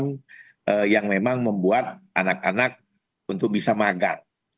yang memang membuat anak anak untuk bisa magat